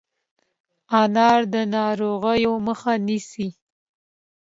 انار د ناروغیو مخه نیسي.